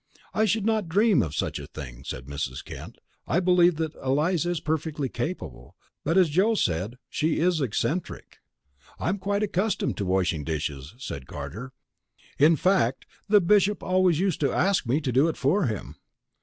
"I should not dream of such a thing," said Mrs. Kent. "I believe that Eliza is perfectly capable, but as Joe said, she is eccentric." "I am quite accustomed to washing dishes," said Carter. "In fact, the Bishop always used to ask me to do it for him."